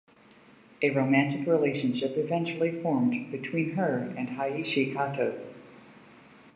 A romantic relationship eventually formed between her and Hayashi Kato.